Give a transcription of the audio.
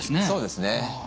そうですね。